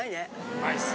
うまいっす。